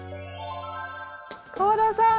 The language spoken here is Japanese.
香田さん！